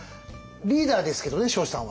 リーダーですけどね彰子さんは。